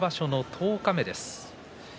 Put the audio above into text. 十日目です。